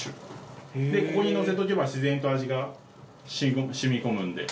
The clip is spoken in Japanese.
ここに乗せとけばしぜんと味が染み込むんで。